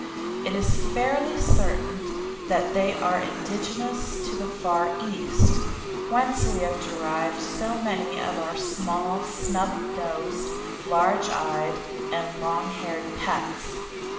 It is fairly certain that they are indigenous to the Far East, whence we have derived so many of our small snub nosed, large eyed, and long haired pets.